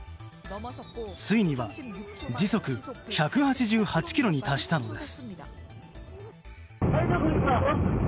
ついには時速１８８キロに達したのです。